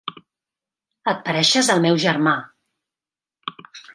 Et pareixes al meu germà.